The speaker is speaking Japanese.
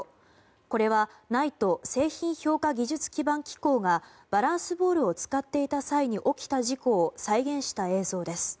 これはＮＩＴＥ・製品評価技術基盤機構がバランスボールを使っていた際に起きた事故を再現した映像です。